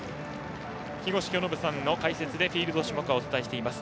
木越清信さんの解説でフィールド種目をお伝えしています。